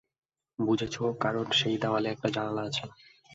বুঝেছো, কারণ সেই দেয়ালে একটা জানালা আছে।